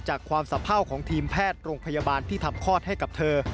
ความสะเภาของทีมแพทย์โรงพยาบาลที่ทำคลอดให้กับเธอ